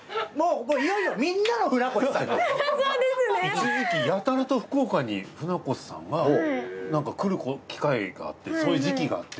一時期やたらと福岡に船越さんがなんか来る機会があってそういう時期があって。